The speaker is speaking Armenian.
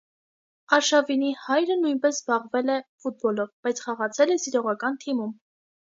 Արշավինի հայրը նույնպես զբաղվել է ֆուտբոլով, բայց խաղացել է սիրողական թիմում։